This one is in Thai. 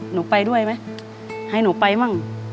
หนูไปด้วยไหมให้หนูไปมั่ง